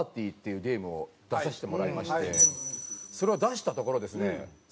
ＰＡＲＴＹ』っていうゲームを出させてもらいましてそれを出したところですね